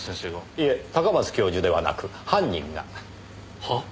いえ高松教授ではなく犯人が。は？